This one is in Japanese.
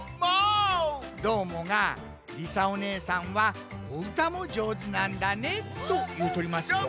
どーもが「りさおねえさんはおうたもじょうずなんだね」というとりますぞ。